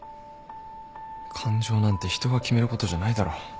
感情なんて人が決めることじゃないだろ。